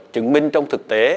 chứng minh trong thực tế